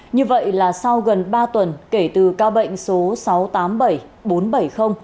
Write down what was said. như vậy là sau gần ba tuần kể từ ca bệnh số sáu trăm tám mươi bảy bốn trăm bảy mươi